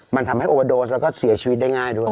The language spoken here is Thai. มันทำให้โอวาโดสแล้วก็เสียชีวิตได้ง่ายด้วย